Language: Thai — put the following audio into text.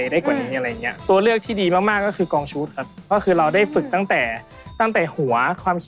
ดังนั้นถึงศิลป์คือประวัติการของศิลป์และชาวสำนักทำคลาย